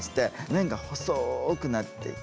麺が細くなっていく。